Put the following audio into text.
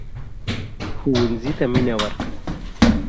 ښوونځی ته مينه ورکړئ